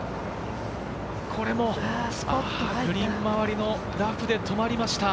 これもグリーン周りのラフで止まりました。